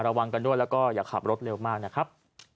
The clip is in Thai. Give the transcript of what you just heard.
แล้วคนขับสุดท้ายที่เขาขับ